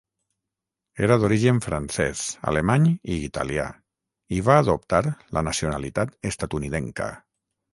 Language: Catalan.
Era d'origen francès, alemany i italià i va adoptar la nacionalitat estatunidenca.